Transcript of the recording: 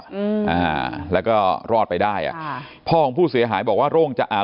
อืมอ่าแล้วก็รอดไปได้อ่ะค่ะพ่อของผู้เสียหายบอกว่าโร่งจะอ่า